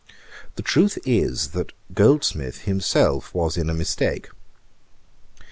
The truth is, that Goldsmith himself was in a mistake.